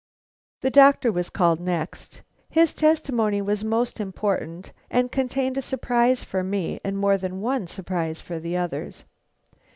The doctor was called next. His testimony was most important, and contained a surprise for me and more than one surprise for the others.